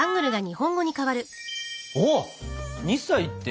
おっ「二歳」って？